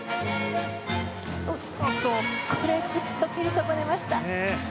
ちょっと蹴り損ねました。